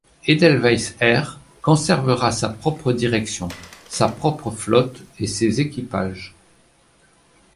Edelweiss Air conservera sa propre direction, sa propre flotte et ses équipages.